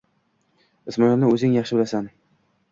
«Ismoilni o'zing yaxshi bilasan»